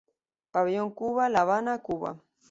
Pabellón Cuba, La Habana, Cuba.